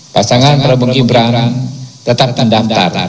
pasangan prabang ibram tetap tandaftaran